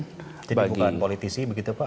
jadi bukan politisi begitu pak